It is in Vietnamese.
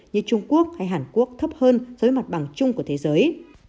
như trung quốc hay hàn quốc thấp hơn dưới mặt bằng chung của thế giới